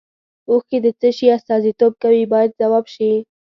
اوښکې د څه شي استازیتوب کوي باید ځواب شي.